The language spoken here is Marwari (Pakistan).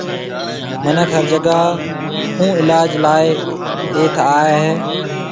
منک ھر جگھہ کان علاج لائيَ ھتيَ اچن ٿا